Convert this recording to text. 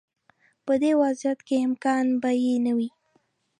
په دې وضعیت کې امکان به یې نه وي.